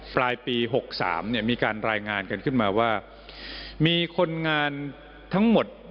ปลายปี๖๓เนี่ยมีการรายงานกันขึ้นมาว่ามีคนงานทั้งหมด